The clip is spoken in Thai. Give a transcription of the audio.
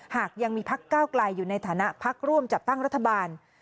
หากยังมีภักดิ์ก้าวกลายอยู่ในฐานะภักดิ์ร่วมจับตั้งรัฐบาล